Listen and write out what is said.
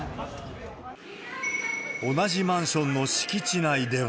同じマンションの敷地内では。